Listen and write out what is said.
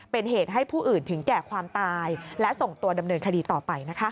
เป็นเหตุให้ผู้อื่นถึงแก่ความตายและส่งตัวดำเนินคดีต่อไป